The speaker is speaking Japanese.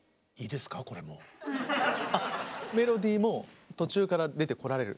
あっ「メロディー」も途中から出てこられる？